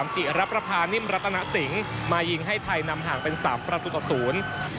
จิฤภพานิมรัตนสิงมายิงให้ไทยนำห่างเป็น๓ประตูตลูกับ๐